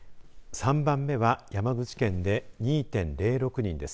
３番目は山口県で２．０６人です。